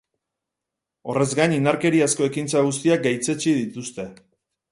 Horrez gain, indarkeriazko ekintza guztiak gaitzetsi dituzte.